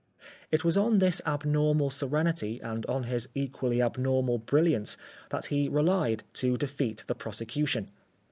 It was on this abnormal serenity and on his equally abnormal brilliance that he relied to defeat the prosecution.